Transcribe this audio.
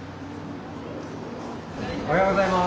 おはようございます。